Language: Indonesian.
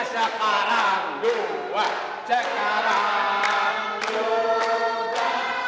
sekarang dua sekarang dua